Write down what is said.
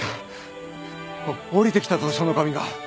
降りてきたぞ書の神が！